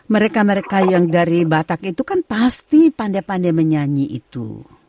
mereka mereka yang dari batak itu kan pasti pandai pandai menyanyi itu